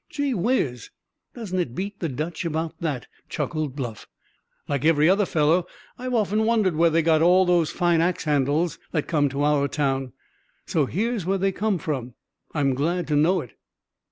"Gee whiz! doesn't it beat the Dutch about that?" chuckled Bluff. "Like every other fellow, I've often wondered where they got all those fine ax handles that come to our town. So here's where they come from? I'm glad to know it."